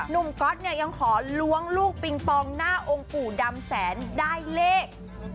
ก๊อตเนี่ยยังขอล้วงลูกปิงปองหน้าองค์ปู่ดำแสนได้เลข